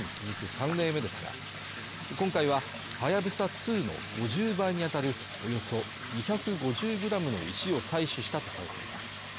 ３例目ですが今回は「はやぶさ２」の５０倍にあたるおよそ２５０ｇの石を採取したとされています